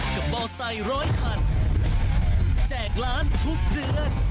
กับบอสไซด์ร้อยคันแจ้งล้านทุกเดือน